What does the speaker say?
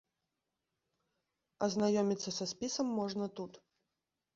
Азнаёміцца са спісам можна тут.